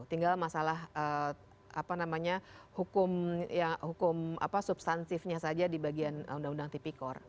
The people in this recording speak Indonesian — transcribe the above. tinggal masalah apa namanya hukum yang hukum apa substantifnya saja di bagian undang undang tipikor